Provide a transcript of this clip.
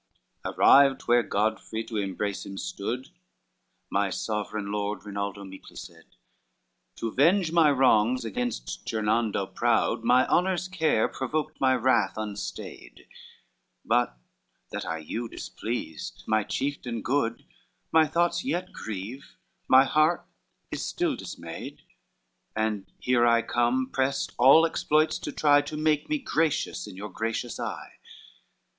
I Arrived where Godfrey to embrace him stood, "My sovereign lord," Rinaldo meekly said, "To venge my wrongs against Gernando proud My honor's care provoked my wrath unstayed; But that I you displeased, my chieftain good, My thoughts yet grieve, my heart is still dismayed, And here I come, prest all exploits to try To make me gracious in your gracious eye."